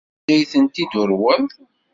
Anda ay tent-id-turweḍ?